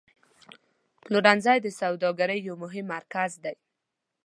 پلورنځی د سوداګرۍ یو مهم مرکز دی.